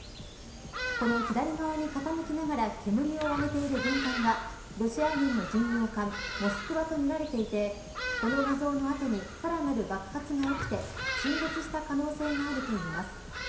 この左側に傾きながら煙を上げている軍艦がロシア軍の巡洋艦モスクワとみられていてこの画像の後にさらなる爆発が起きて沈没した可能性があるといいます。